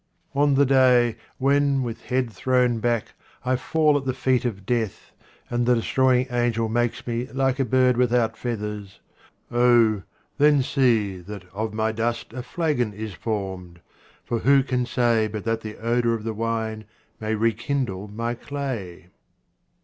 Ox the day when, with head thrown back, I fall at the feet of death, and the destroying angel makes me like a bird without feathers, oh, then see that of my dust a flagon is formed, for who can say but that the odour of the wine may rekindle my clay